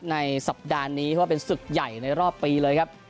ในสัปดาห์นี้เพราะว่าเป็นศึกใหญ่ในรอบปีเลยครับ